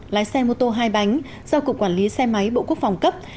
lái xe mô tô hai bánh do cục quản lý xe máy bộ quốc phòng cấp